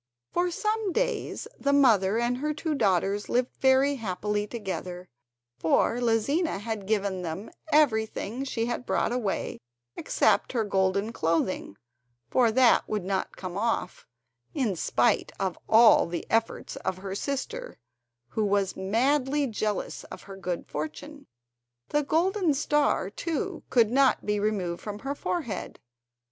For some days the mother and her two daughters lived very happily together, for Lizina had given them everything she had brought away except her golden clothing, for that would not come off, in spite of all the efforts of her sister, who was madly jealous of her good fortune. The golden star, too, could not be removed from her forehead.